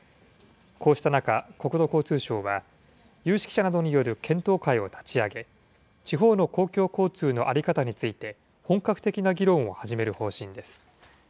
こうした中、国土交通省は、有識者などによる検討会を立ち上げ、地方の公共交通の在り方について、本格的な議論を始める方針です。